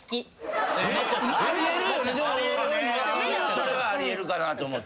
それはあり得るかなと思って。